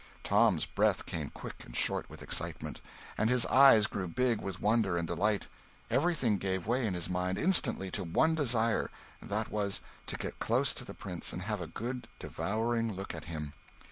Tom's breath came quick and short with excitement, and his eyes grew big with wonder and delight. Everything gave way in his mind instantly to one desire: that was to get close to the prince, and have a good, devouring look at him.